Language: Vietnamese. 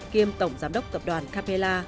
kiêm tổng giám đốc tập đoàn capella